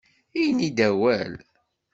Ini-d awal!